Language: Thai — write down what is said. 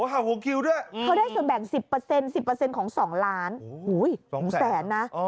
เธอได้ส่วนแบ่ง๑๐ของสองล้านสองแสนนะ